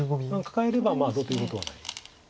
カカえればどうということはない。